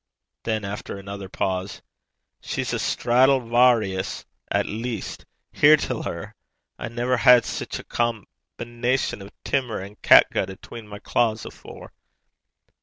Then, after another pause: 'She's a Straddle Vawrious at least! Hear till her. I never had sic a combination o' timmer and catgut atween my cleuks (claws) afore.'